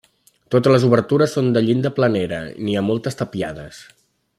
Totes les obertures són de llinda planera, i n'hi ha moltes tapiades.